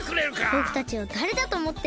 ぼくたちをだれだとおもってるんですか！